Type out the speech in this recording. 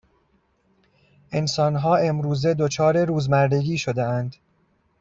انسان ها امروزه دچار روزمرگی شده اند